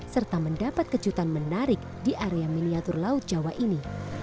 serta mendapat kejutan menarik di area miniatur laut jawa ini